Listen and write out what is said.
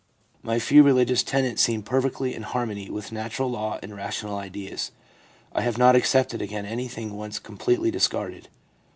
My few religious tenets seem perfectly in harmony with natural law and rational ideas. I have not accepted again anything once com pletely discarded.